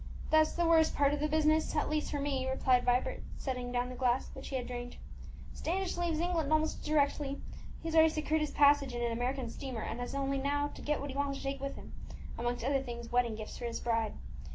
"That's the worst part of the business, at least for me," replied Vibert, setting down the glass, which he had drained. "Standish leaves England almost directly. He has already secured his passage in an American steamer, and has only now to get what he wants to take with him, amongst other things wedding gifts for his bride.